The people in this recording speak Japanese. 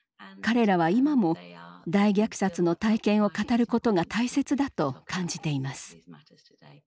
彼らは今も大虐殺の体験を語ることが大切だと感じています。